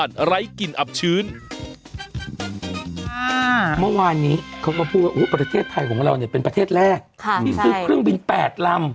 ที่ซื้อเครื่องบิน๘ลำ